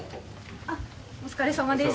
あっお疲れさまです。